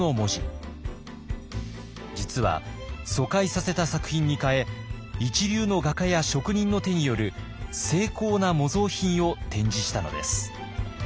実は疎開させた作品に代え一流の画家や職人の手による精巧な模造品を展示したのです。